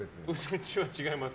うちは違います。